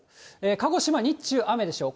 鹿児島、日中雨でしょう。